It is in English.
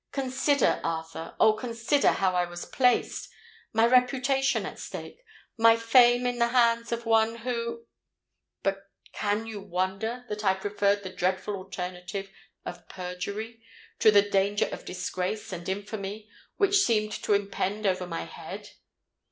Consider, Arthur—oh! consider how I was placed—my reputation at stake—my fame in the hands of one who——But can you wonder that I preferred the dread alternative of perjury to the danger of disgrace and infamy which seemed to impend over my head?"